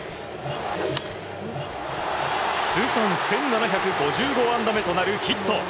通算１７５５安打目となるヒット。